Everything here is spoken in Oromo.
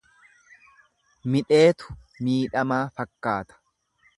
Midheetu miidhamaa fakkaata.